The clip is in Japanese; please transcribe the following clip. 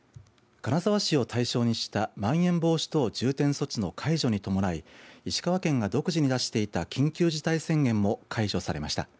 金沢市を対象にしたまん延防止等重点措置の解除に伴い石川県が独自に出していた緊急事態宣言も解除されました。